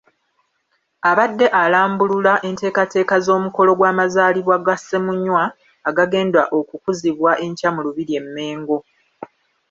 Abadde alambulula nteekateeka z’omukolo gw’amazaalibwa ga Ssemunywa agagenda okukuzibwa enkya mu Lubiri e Mmengo.